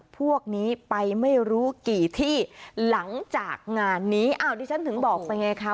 พวกนี้ไปไม่รู้กี่ที่หลังจากงานนี้อ้าวดิฉันถึงบอกไปไงคะ